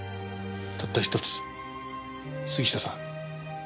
たった１つ杉下さん